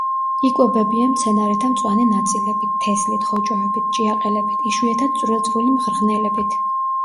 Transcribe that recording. იკვებებიან მცენარეთა მწვანე ნაწილებით, თესლით, ხოჭოებით, ჭიაყელებით, იშვიათად წვრილ-წვრილი მღრღნელებით.